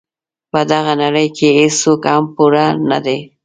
په دغه نړۍ کې هیڅوک هم پوره نه دي.